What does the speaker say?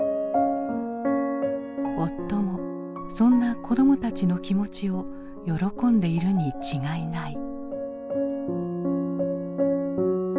夫もそんな子どもたちの気持ちを喜んでいるに違いない。